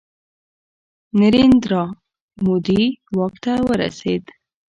نریندرا مودي واک ته ورسید.